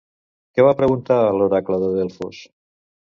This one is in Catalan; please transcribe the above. Què va preguntar a l'oracle de Delfos?